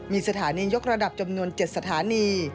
มีสถานียกระดับจำนวน๗สถานี